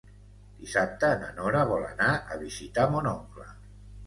Dissabte na Nora vol anar a visitar mon oncle.